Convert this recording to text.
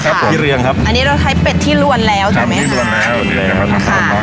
ที่เรืองครับอันนี้เราใช้เป็ดที่รวนแล้วใช่ไหมครับใช่ที่รวนแล้วใช่ครับ